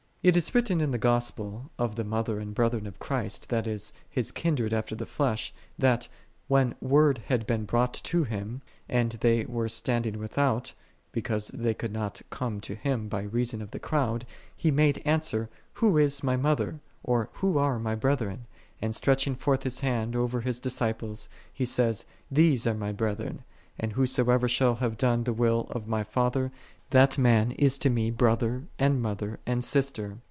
3. It is written in the Gospel, of the mother and brethren of Christ, that is, His kindred after the flesh, that, when word had been brought to Him, and they were standing with out, because they could not come to Him by reason of the crowd, He made answer, " Who is My mother? or who are My brethren? and stretching forth*His Hand over His disciples, He saith, These are My brethren: and who soever shall have done the will of My Father, that man is to Me brother, and mother, and sister.'"